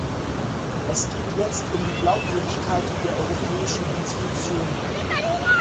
Es geht jetzt um die Glaubwürdigkeit der europäischen Institutionen.